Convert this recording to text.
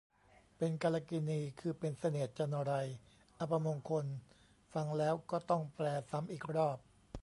เป็นกาลกิณี คือเป็นเสนียดจัญไร อัปมงคล ฟังแล้วก็ต้องแปลซ้ำอีกรอบ